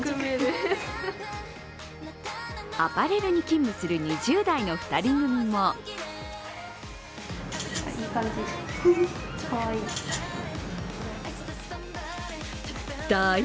アパレルに勤務する２０代の２人組もいい感じ、かわいい。